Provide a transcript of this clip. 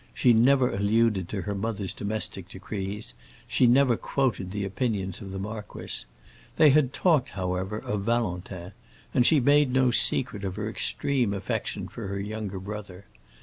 She never alluded to her mother's domestic decrees; she never quoted the opinions of the marquis. They had talked, however, of Valentin, and she had made no secret of her extreme affection for her younger brother.